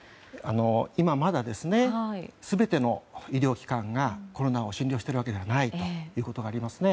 今まだ全ての医療機関がコロナを診療しているわけではないということがありますね。